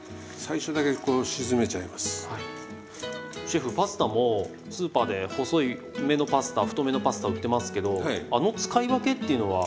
シェフパスタもスーパーで細めのパスタ太めのパスタ売ってますけどあの使い分けっていうのは？